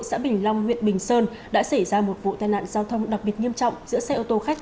xã bình long huyện bình sơn đã xảy ra một vụ tai nạn giao thông đặc biệt nghiêm trọng giữa xe ô tô khách